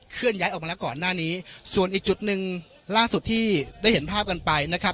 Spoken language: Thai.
เลื่อนย้ายออกมาแล้วก่อนหน้านี้ส่วนอีกจุดหนึ่งล่าสุดที่ได้เห็นภาพกันไปนะครับ